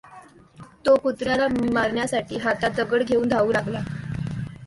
तो कुत्र्याला मारण्यासाठी हातात दगड घेऊन धावू लागला.